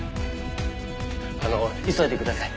あの急いでください。